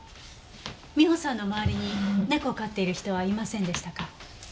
美帆さんのまわりに猫を飼ってる人はいませんでしたか？